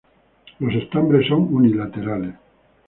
Los estambres son unilaterales.